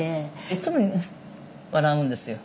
いつも笑うんですよ。